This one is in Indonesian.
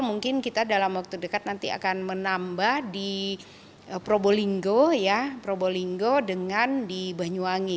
mungkin kita dalam waktu dekat nanti akan menambah di probolinggo ya probolinggo dengan di banyuwangi